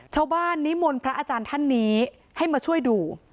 นิมนต์พระอาจารย์ท่านนี้ให้มาช่วยดู